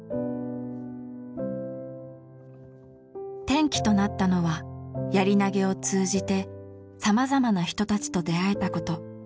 転機となったのはやり投げを通じてさまざまな人たちと出会えたこと。